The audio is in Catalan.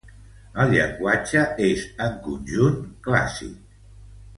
El llenguatge és en conjunt clàssic.